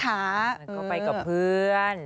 ก็ไปกับเพื่อน